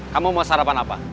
kamu mau sarapan apa